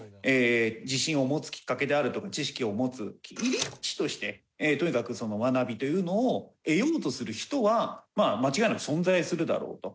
自信を持つきっかけであるとか知識を持つ入り口としてとにかく学びというのを得ようとする人は間違いなく存在するだろうと。